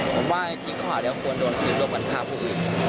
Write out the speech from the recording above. ผมว่ายังคงคอแต่ต้องดนคือการมันฆ่าผู้อื่น